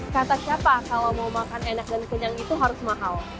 kata siapa kalau mau makan enak dan kenyang itu harus mahal